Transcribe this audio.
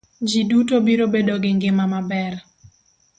Ji duto biro bedo gi ngima ma ber.